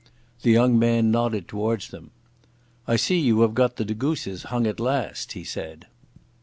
The young man nodded towards them. "I see you have got the Dégousses hung at last," he said.